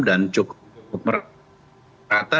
dan cukup merata